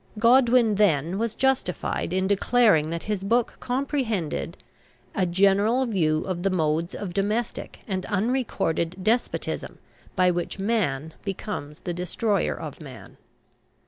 Godwin, then, was justified in declaring that his book comprehended "a general view of the modes of domestic and unrecorded despotism by which man becomes the destroyer of man."